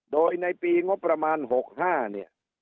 โดยในปีงบประมาณ๖๕เนี่ย